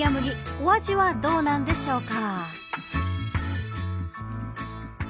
お味はどうなんでしょうか。